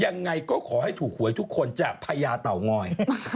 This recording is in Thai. ยังไงก็ขอให้ถูกหวยทุกคนจากพญาเต่างอย